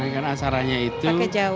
rangkaian acaranya itu